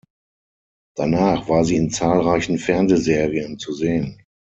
Danach war sie in zahlreichen Fernsehserien zu sehen.